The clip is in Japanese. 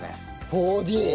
４Ｄ！